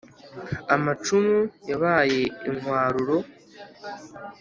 amacumu yabaye inkwaruro.